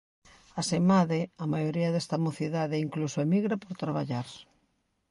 Asemade, a maioría desta mocidade incluso emigra por traballar.